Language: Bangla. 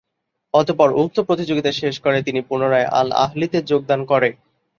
অতঃপর উক্ত প্রতিযোগিতা শেষ করে তিনি পুনরায় আল-আহলিতে যোগদান করে।